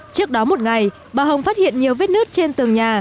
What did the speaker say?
trước đó một ngày bà hồng phát hiện nhiều vết nứt trên tường nhà